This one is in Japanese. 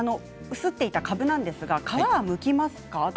すっていたかぶですが皮はむきますか？と。